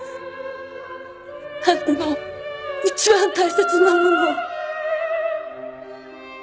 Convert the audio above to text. あんたの一番大切なものを